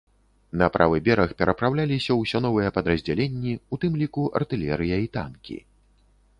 На правы бераг перапраўляліся ўсё новыя падраздзяленні, у тым ліку артылерыя і танкі.